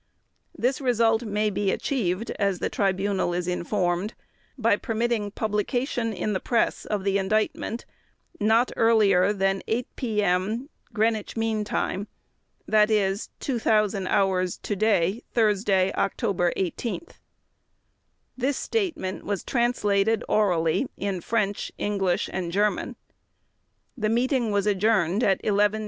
"This result may be achieved, as the Tribunal is informed, by permitting publication in the press of the Indictment not earlier than 8 p.m., G.M.T., i. e. 2000 hours today, Thursday, October 18th." This statement was translated orally in French, English, and German. The meeting adjourned at 11:25 a.